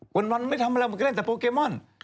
วันไม่ทำอะไรมันก็เล่นแต่โปเกมอน